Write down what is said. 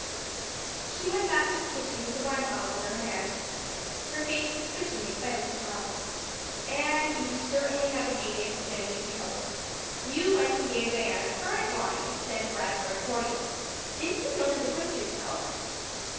She went back to the kitchen with the wine bottle in her hand. Her face was twitching in spite of herself. "Anne, you certainly have a genius for getting into trouble. You went and gave Diana currant wine instead of raspberry cordial. Didn't you know the difference yourself?"